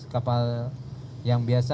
kapal yang biasa